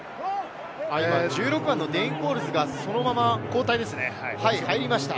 １６番のデイン・コールズがそのまま交代ですね、入りました。